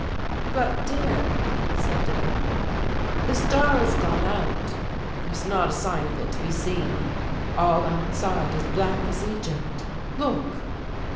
"But, dear," said Desbra, "the Star has gone out! There is not a sign of it to be seen. All outside is black as Egypt. Look!"